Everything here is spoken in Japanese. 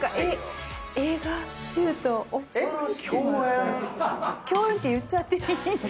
共演って言っちゃっていいのかな。